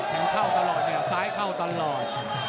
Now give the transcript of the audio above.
แข็งเข้าตลอดซ้ายเข้าตลอด